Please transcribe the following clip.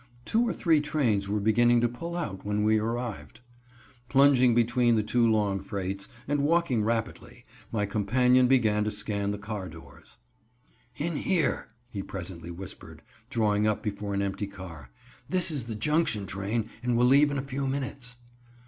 Two or three trains were beginning to pull out when we arrived. Plunging between two long freights, and walking rapidly, my companion began to scan the car doors. "In here," he presently whispered, drawing up before an empty car. "This is the Junction train, and will leave in a few minutes."